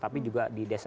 tapi juga di desa